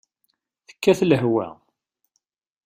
Tekkat lehwa.